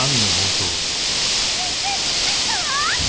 新選組が来たわ！